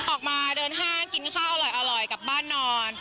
ออกมาเดินห้างกินข้าวอร่อยกลับบ้านนอน